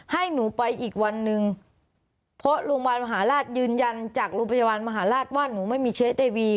ให้หนูไปอีกวันหนึ่งเพราะโรงพยาบาลมหาราชยืนยันจากโรงพยาบาลมหาราชว่าหนูไม่มีเชื้อเตวี